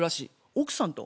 奥さんと？